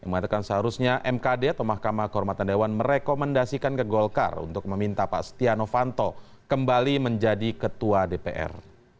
mengatakan seharusnya mkd atau mahkamah kehormatan dewan merekomendasikan ke golkar untuk meminta pak setia novanto kembali menjadi ketua dpr